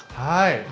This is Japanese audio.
はい。